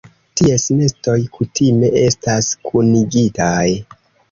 Ties nestoj kutime estas kunigitaj.